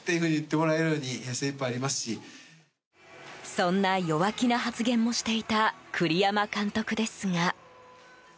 そんな弱気な発言もしていた栗山監督ですが。